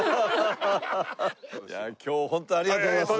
今日本当ありがとうございます。